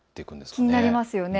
気になりますね。